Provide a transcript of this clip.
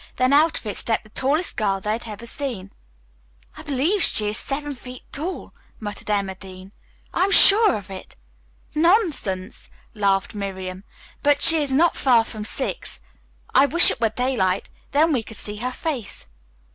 Then out of it stepped the tallest girl they had ever seen. "I believe she is seven feet tall," muttered Emma Dean. "I am sure of it." "Nonsense," laughed Miriam. "But she is not far from six. I wish it were daylight, then we could see her face."